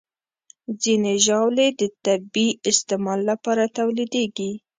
ځینې ژاولې د طبي استعمال لپاره تولیدېږي.